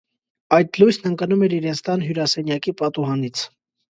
Այդ լույսն ընկնում էր իրենց տան հյուրասենյակի պատուհանից: